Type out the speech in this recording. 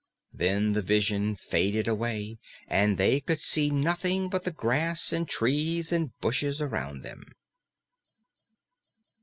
Then the vision faded away, and they could see nothing but the grass and trees and bushes around them.